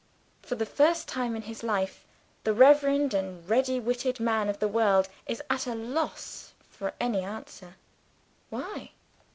For the first time in his life, the reverend and ready witted man of the world is at a loss for an answer. Why?